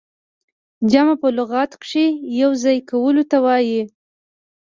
جمع په لغت کښي يو ځاى کولو ته وايي.